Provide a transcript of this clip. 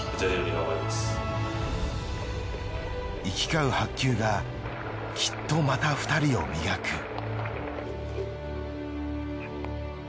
行き交う白球がきっとまた２人を磨く。